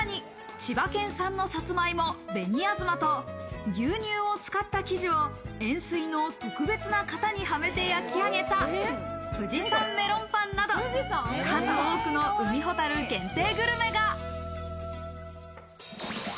さらに千葉県産のサツマイモ・紅あずまと牛乳を使った生地を円錐の特別な型にはめて焼き上げた富士山メロンパンなど、数多くの海ほたる限定